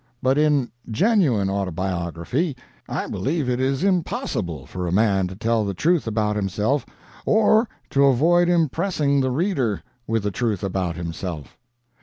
But in genuine autobiography, I believe it is impossible for a man to tell the truth about himself or to avoid impressing the reader with the truth about himself.